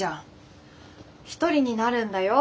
一人になるんだよ。